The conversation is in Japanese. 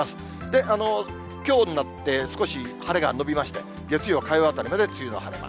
で、きょうになって少し晴れが延びまして、月曜、火曜あたりまで梅雨の晴れ間。